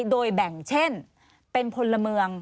โดยแบ่งเช่นเป็นพลเมือง